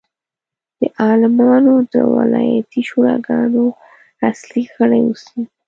د عالمانو د ولایتي شوراګانو اصلي غړي اوسي.